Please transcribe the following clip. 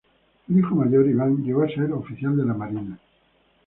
El hijo mayor, Iván, llegó a ser oficial de la marina.